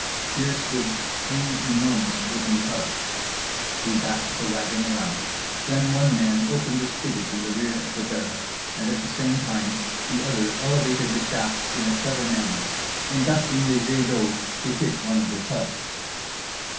Here stood three enormous wooden tubs. We backed the wagon around; then one man opened a spigot in the rear of the barrel, and at the same time the other elevated the shafts in a clever manner, inducting the jet d'eau to hit one of the tubs.